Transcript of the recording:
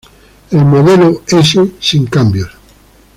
El modelo S sin cambios.